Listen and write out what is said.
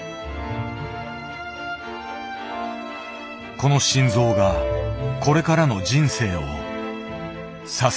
この心臓がこれからの人生を支え切れるように。